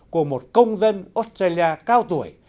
của một công dân australia cao tuổi